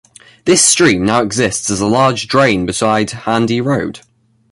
This stream now exists as a large drain beside Handy Road.